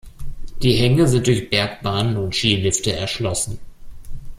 Die Hänge sind durch Bergbahnen und Skilifte erschlossen.